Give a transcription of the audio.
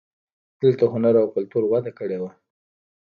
دلته هنر او کلتور وده کړې وه